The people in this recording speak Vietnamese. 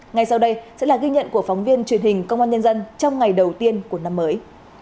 ngay sau đây sẽ là ghi nhận của phóng viên truyền hình công an nhân dân trong ngày đầu tiên của năm mới